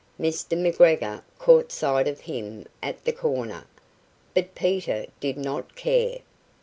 Mr. McGregor caught sight of him at the corner, but Peter did not care.